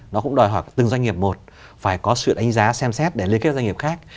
nó cũng đòi hỏi từng doanh nghiệp một phải có sự đánh giá xem xét để liên kết doanh nghiệp khác